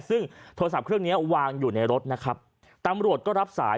ซึ่งโทรศัพท์เครื่องนี้วางอยู่ในรถนะครับตำรวจก็รับสาย